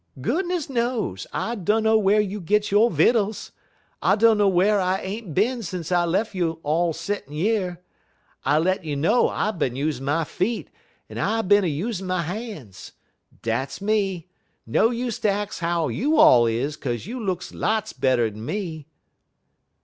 Goodness knows, I dunner whar you gits yo' vittles. I dunner whar I ain't bin sence I lef' you all settin' yer. I let you know I bin a usin' my feet un I been a usin' my han's. Dat's me. No use ter ax how you all is, 'kaze you looks lots better'n me."